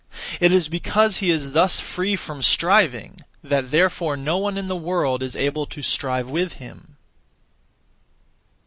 It is because he is thus free from striving that therefore no one in the world is able to strive with him.